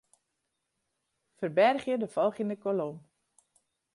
Ferbergje de folgjende kolom.